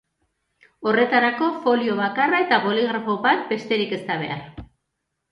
Horretarako folio bakarra eta boligrafo bat besterik ez da behar.